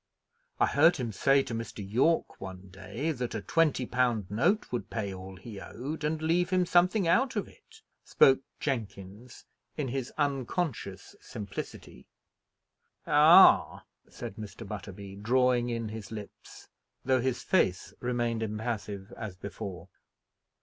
"I heard him say to Mr. Yorke one day, that a twenty pound note would pay all he owed, and leave him something out of it," spoke Jenkins in his unconscious simplicity. "Ah!" said Mr. Butterby, drawing in his lips, though his face remained impassive as before.